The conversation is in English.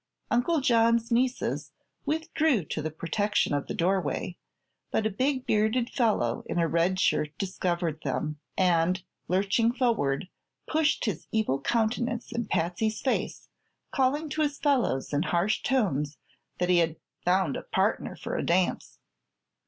Uncle John's nieces withdrew to the protection of the doorway, but a big bearded fellow in a red shirt discovered them, and, lurching forward, pushed his evil countenance in Patsy's face, calling to his fellows in harsh tones that he had "found a partner for a dance."